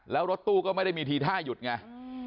แล้วรถตู้ก็ไม่ได้มีทีท่าหยุดไง